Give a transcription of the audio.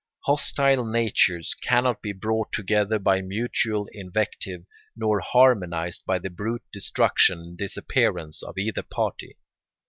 Hostile natures cannot be brought together by mutual invective nor harmonised by the brute destruction and disappearance of either party.